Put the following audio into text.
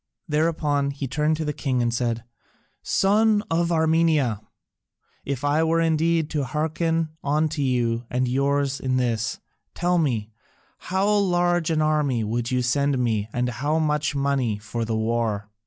Thereupon he turned to the king and said, "Son of Armenia, if I were indeed to hearken unto you and yours in this, tell me, how large an army would you send me and how much money for the war?"